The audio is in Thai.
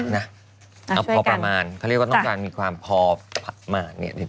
นะเอาพอประมาณเขาเรียกข์ว่าต้องการมีความพอประมาณ